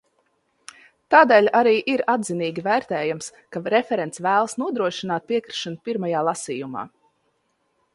Tādēļ arī ir atzinīgi vērtējams, ka referents vēlas nodrošināt piekrišanu pirmajā lasījumā.